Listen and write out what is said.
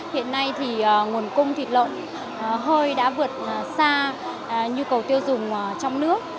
hiện nay thì nguồn cung thịt lợn hơi đã vượt xa nhu cầu tiêu dùng trong nước